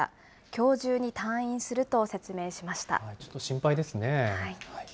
きょう中に退院すると説明しましちょっと心配ですね。